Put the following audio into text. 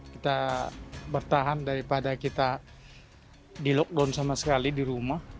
kita bertahan daripada kita dilockdown sama sekali di rumah